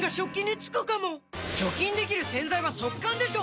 除菌できる洗剤は速乾でしょ！